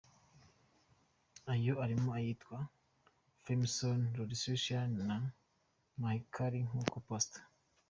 Ayo arimo ayitwa ‘Freemasons’, ‘Rosicrucians’ na ‘Mahikari’ nk’ uko Past.